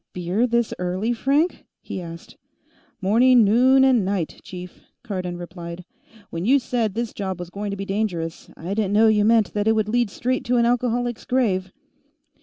"Beer this early, Frank?" he asked. "Morning, noon, and night, chief," Cardon replied. "When you said this job was going to be dangerous, I didn't know you meant that it would lead straight to an alcoholic's grave."